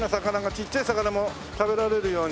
ちっちゃい魚も食べられるように。